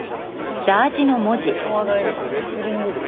「乙羽大学レスリング部」